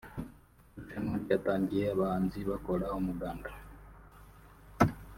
Irushanwa ryatangiye abahanzi bakora umuganda